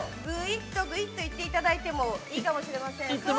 ぐいっと行っていただいてもいいかもしれません。